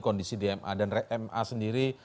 kondisi dma dan ma sendiri